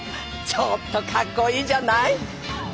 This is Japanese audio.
ちょっとかっこいいじゃない？